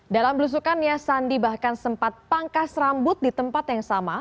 dalam belusukannya sandi bahkan sempat pangkas rambut di tempat yang sama